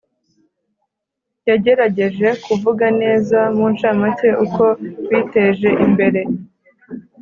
Yagerageje kuvuga neza muncamake uko biteje imbere